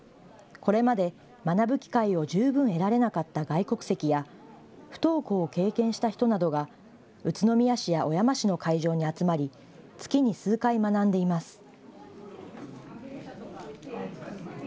これまで学ぶ機会を十分得られなかった外国籍や、不登校を経験した人などが宇都宮市や小山市の会場に集まり、月に数回学んでいます。